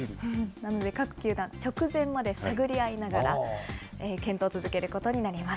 なので、各球団、直前まで探り合いながら、検討を続けることになります。